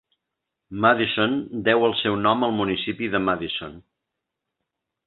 Madison deu el seu nom al municipi de Madison.